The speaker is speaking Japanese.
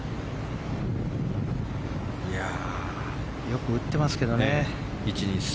よく打ってますけどね。